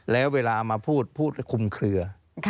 แล้วเวลามาพูดพูดคุมเคลือ